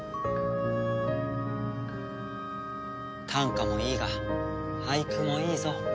短歌もいいが俳句もいいぞ。